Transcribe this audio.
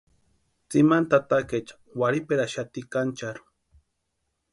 Tsimani tatakaecha warhiperaxati kancharhu.